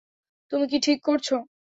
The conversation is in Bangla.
তুমি কী ঠিক করেছো?